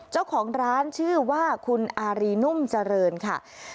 เจ้าของร้านชื่อว่าคุณอารีนุ่มเจริญค่ะ